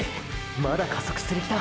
まだ加速する気だ！！